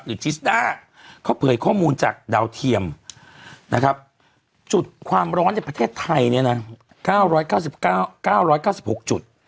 จิสด้าเขาเผยข้อมูลจากดาวเทียมนะครับจุดความร้อนในประเทศไทยเนี่ยนะ๙๙๙๖จุด